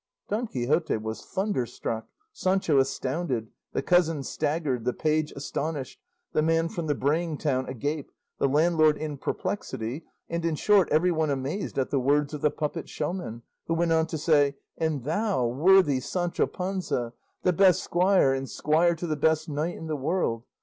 Don Quixote was thunderstruck, Sancho astounded, the cousin staggered, the page astonished, the man from the braying town agape, the landlord in perplexity, and, in short, everyone amazed at the words of the puppet showman, who went on to say, "And thou, worthy Sancho Panza, the best squire and squire to the best knight in the world!